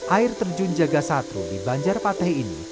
air terjun jaga satru di banjarpateh ini